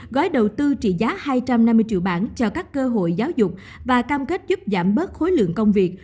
gói đầu tư trị giá hai trăm năm mươi triệu bảng cho các cơ hội giáo dục và cam kết giúp giảm bớt khối lượng công việc